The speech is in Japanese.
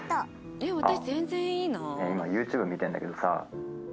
「今ＹｏｕＴｕｂｅ見てるんだけどさ」